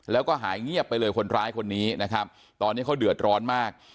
แล้วก็หายเงียบไปเลยคนร้ายคนนี้นะครับตอนนี้เขาเดือดร้อนมาก